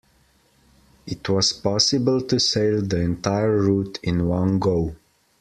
It was possible to sail the entire route in one go.